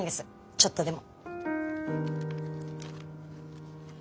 ちょっとでも。